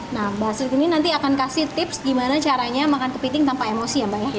nah mbak asli ini nanti akan kasih tips gimana caranya makan kepiting tanpa emosi ya mbak ya